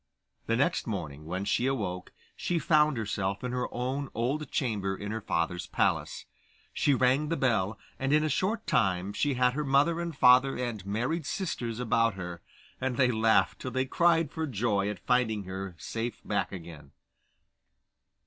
The next morning when she awoke she found herself in her own old chamber in her father's palace. She rang the bell, and in a short time she had her mother and father and married sisters about her, and they laughed till they cried for joy at finding her safe back again.